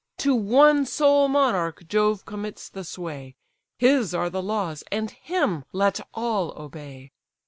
To one sole monarch Jove commits the sway; His are the laws, and him let all obey."